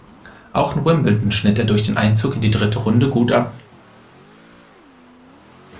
Auch in Wimbledon schnitt er durch den Einzug in die dritte Runde gut ab.